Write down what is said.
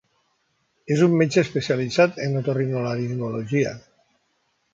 És un metge especialitzat en otorrinolaringologia.